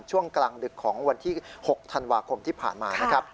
ช่วงกลางดึกของวันที่๖ธันวาคมที่ผ่านมานะครับ